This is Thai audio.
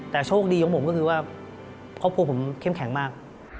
แต่โชคดีของผมก็คือว่าครอบครัวผมเข้มแข็งมาก